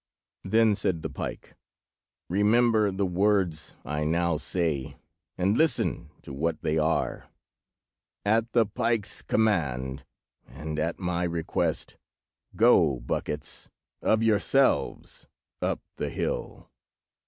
Then said the pike— "Remember the words I now say, and listen to what they are: 'At the pike's command, and at my request, go, buckets, of yourselves up the hill.